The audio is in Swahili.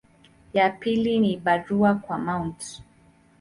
Ya pili ni barua kwa Mt.